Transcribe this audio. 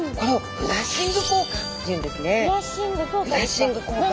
フラッシング効果ですか。